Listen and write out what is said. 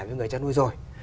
với người chăn nuôi rồi